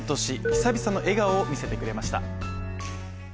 久々の笑顔を見せてくれました。